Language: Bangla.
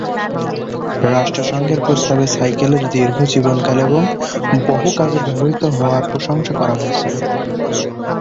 রাষ্ট্রসংঘের প্রস্তাবে সাইকেলের দীর্ঘ জীবনকাল এবং বহু কাজে ব্যবহৃত হওয়ার প্রশংসা করা হয়েছিল।